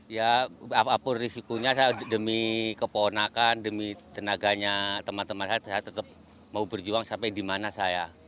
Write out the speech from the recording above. ya apa pun risikonya saya demi keponakan demi tenaganya teman teman saya tetap mau berjuang sampai dimana saya